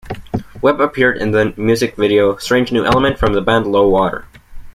Webb appeared in the music video "Strange New Element" from the band Low Water.